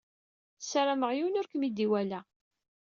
Sarameɣ yiwen ur kem-id-iwala.